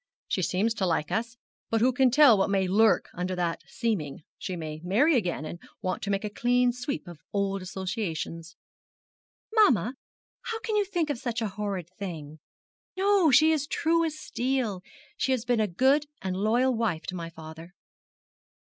She seems to like us; but who can tell what may lurk under that seeming. She may marry again, and want to make a clean sweep of old associations.' 'Mamma! How can you think of such a horrid thing? No, she is as true as steel; she has been a good and loyal wife to my father.'